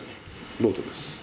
ボートです。